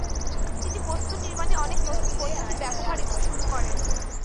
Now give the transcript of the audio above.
তিনি বস্তুনির্মাণে অনেক নতুন পদ্ধতি ব্যবহার এবং শুরু করেন।